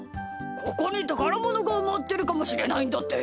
ここにたからものがうまってるかもしれないんだって。